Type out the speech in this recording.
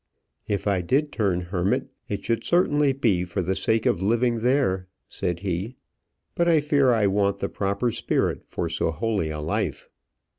"If I did turn hermit, it should certainly be for the sake of living there," said he. "But I fear I want the proper spirit for so holy a life."